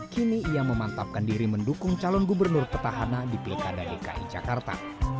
kini ia memantapkan diri mendukung calon gubernur petahana di pilkada dki jakarta